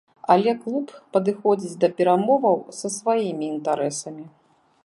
Але клуб падыходзіць да перамоваў са сваімі інтарэсамі.